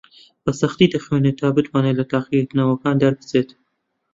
بەسەختی دەخوێنێت تا بتوانێت لە تاقیکردنەوەکان دەربچێت.